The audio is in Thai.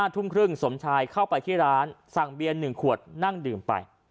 ทุ่มครึ่งสมชายเข้าไปที่ร้านสั่งเบียน๑ขวดนั่งดื่มไป